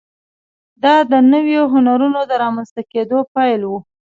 دا د نویو هنرونو د رامنځته کېدو پیل و.